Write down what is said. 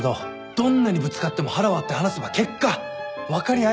どんなにぶつかっても腹割って話せば結果分かり合えると思うんですよ。